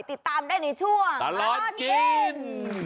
ติดตามได้ในช่วงตลอดกิน